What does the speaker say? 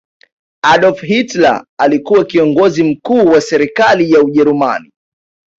adolf hitler alikuwa kiongozi mkuu wa serikali ya ujerumani